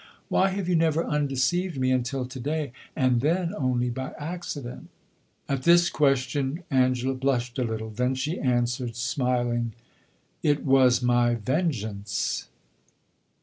Why have you never undeceived me until to day, and then only by accident?" At this question Angela blushed a little; then she answered, smiling "It was my vengeance."